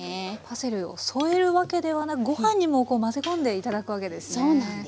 パセリを添えるわけではなくご飯に混ぜ込んで頂くわけですね。